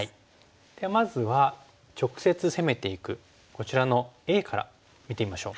ではまずは直接攻めていくこちらのＡから見てみましょう。